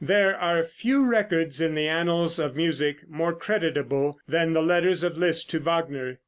There are few records in the annals of music more creditable than the letters of Liszt to Wagner.